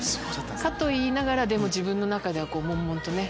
かと言いながら自分の中ではもんもんとね。